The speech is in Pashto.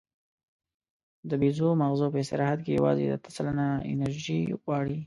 د بیزو ماغزه په استراحت کې یواځې اته سلنه انرژي غواړي.